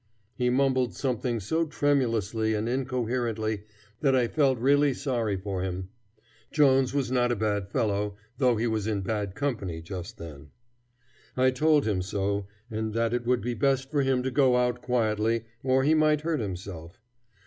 He mumbled something so tremulously and incoherently that I felt really sorry for him. Jones was not a bad fellow, though he was in bad company just then. I told him so, and that it would be best for him to go out quietly, or he might hurt himself.